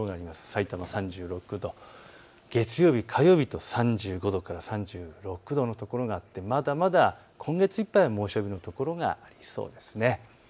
さいたま３６度、月曜日、火曜日と３５度から３６度の所があってまだまだ今月いっぱいは猛暑日の所がありそうです。